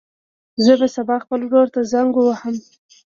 زه به سبا خپل ورور ته زنګ ووهم.